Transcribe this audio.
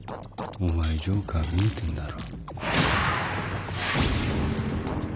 お前ジョーカー見えてんだろ。